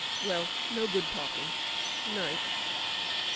Well, no good talking. Night.'